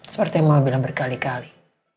seperti yang mau bilang berkali kali